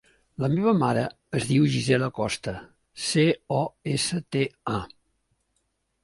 La meva mare es diu Gisela Costa: ce, o, essa, te, a.